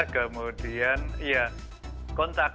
kemudian ya kontak